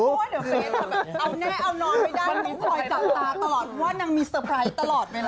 เอาแน่เอานอนไปได้ต้องปล่อยจากตาตลอด